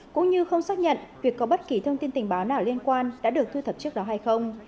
cũng như không xác nhận việc có bất kỳ thông tin tình báo nào liên quan đã được thu thập trước đó hay không